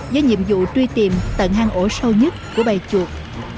với nhiệm vụ truy tìm tận hang ổ sâu nhất của bà chuột